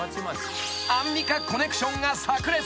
［アンミカコネクションが炸裂］